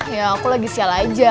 ya aku lagi sial saja